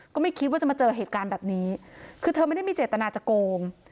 ก็ไม่คิดว่าจะมาเจอเหตุการณ์แบบนี้คือเธอไม่ได้มีเจตนาจะโกง